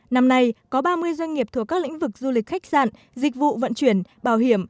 năm nay có ba mươi doanh nghiệp thuộc các lĩnh vực du lịch khách sạn dịch vụ vận chuyển bảo hiểm